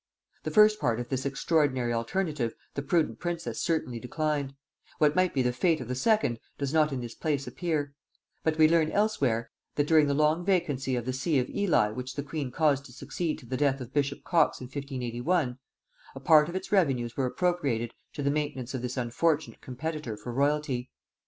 The first part of this extraordinary alternative the prudent princess certainly declined; what might be the fate of the second does not in this place appear: but we learn elsewhere, that during the long vacancy of the see of Ely which the queen caused to succeed to the death of bishop Cox in 1581, a part of its revenues were appropriated to the maintenance of this unfortunate competitor for royalty.